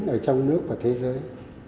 ở trong nước và thế giới